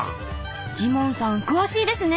ジモンさん詳しいですね。